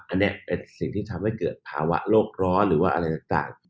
อันนี้เป็นสิ่งที่ทำให้เกิดภาวะโลกร้อนหรือว่าอะไรต่าง